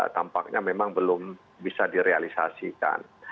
tampaknya memang belum bisa direalisasikan